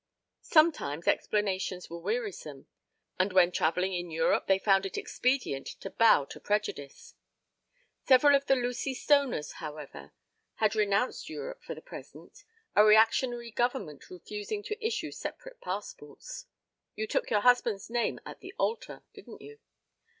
Sometimes explanations were wearisome; and when travelling in Europe they found it expedient to bow to prejudice. Several of the Lucy Stoners, however, had renounced Europe for the present, a reactionary government refusing to issue separate passports. You took your husband's name at the altar, didn't you?